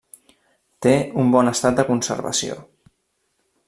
Té un bon estat de conservació.